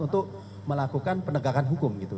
untuk melakukan penegakan hukum gitu